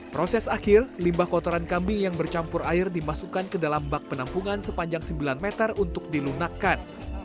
proses akhir limbah kotoran kambing yang bercampur air dimasukkan ke dalam bak penampungan sepanjang sembilan meter untuk dilunakkan